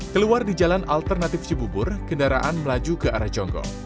keluar di jalan alternatif cibubur kendaraan melaju ke arah jonggok